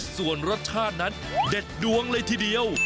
ส่วนรสชาตินั้นเด็ดดวงเลยทีเดียว